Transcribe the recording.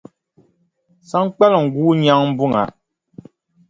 Saŋkpaliŋ guui nyaŋ buŋa.